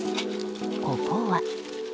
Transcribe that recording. ここは。